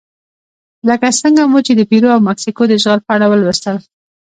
لکه څنګه مو چې د پیرو او مکسیکو د اشغال په اړه ولوستل.